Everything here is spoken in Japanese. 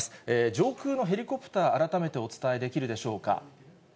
上空のヘリコプター、改めてお伝えできるでしょうか。